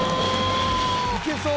いけそう！